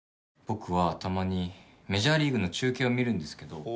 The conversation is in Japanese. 僕はたまにメジャーリーグの中継を見るんですけど。